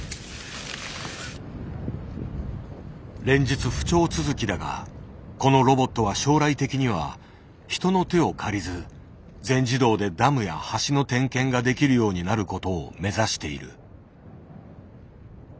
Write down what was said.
連日不調続きだがこのロボットは将来的には人の手を借りず全自動でダムや橋の点検ができるようになることを目指している。